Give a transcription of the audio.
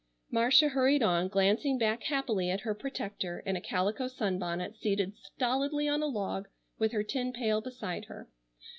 Marcia hurried on, glancing back happily at her protector in a calico sunbonnet seated stolidly on a log with her tin pail beside her.